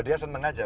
dia seneng aja